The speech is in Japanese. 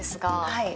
はい。